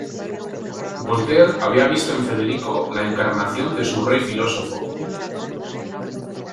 Voltaire había visto en Federico la encarnación de su "rey filósofo".